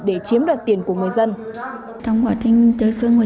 để chiếm đoạt tiền của người dân